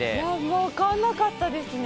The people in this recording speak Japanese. わかんなかったですね。